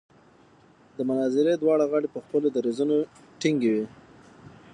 د مناظرې دواړه غاړې په خپلو دریځونو ټینګې وې.